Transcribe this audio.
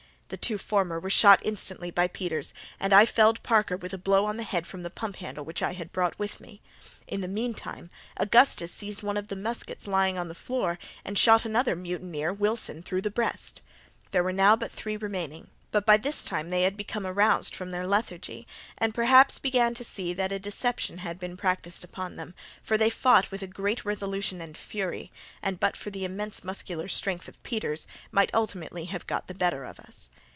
The two former were shot instantly by Peters, and I felled Parker with a blow on the head from the pump handle which I had brought with me. In the meantime, Augustus seized one of the muskets lying on the floor and shot another mutineer Wilson through the breast. There were now but three remaining; but by this time they had become aroused from their lethargy, and perhaps began to see that a deception had been practised upon them, for they fought with great resolution and fury, and, but for the immense muscular strength of Peters, might have ultimately got the better of us.